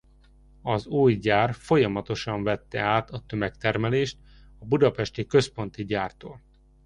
Az új gyár folyamatosan vette át a tömegtermelést a budapesti központi gyártól.